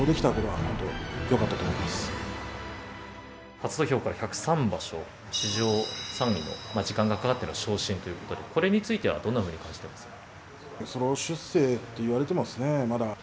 初土俵から１０３場所史上３位の時間がかかっての昇進ということで、これについてはどんなふうに感じていますか？